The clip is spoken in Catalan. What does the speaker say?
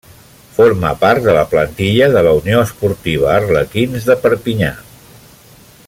Forma part de la plantilla de la Unió Esportiva Arlequins de Perpinyà.